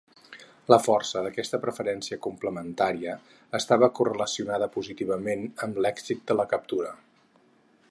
La força d'aquesta preferència complementària estava correlacionada positivament amb l'èxit de la captura.